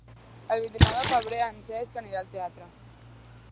El vint-i-nou de febrer en Cesc anirà al teatre.